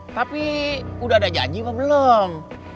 tapi udah ada janji apa belum